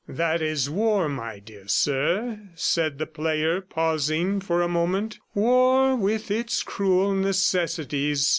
"That is war, my dear sir," said the player, pausing for a moment. "War with its cruel necessities.